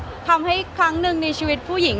คือบอกเลยว่าเป็นครั้งแรกในชีวิตจิ๊บนะ